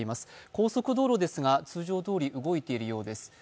高速道路ですが通常どおり動いているようです。